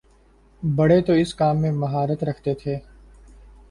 بڑے تو اس کام میں مہارت رکھتے تھے۔